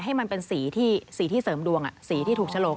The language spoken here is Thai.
ให้มันเป็นสีที่เสริมดวงสีที่ถูกฉลก